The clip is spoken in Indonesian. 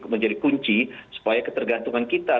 menjadi kunci supaya ketergantungan kita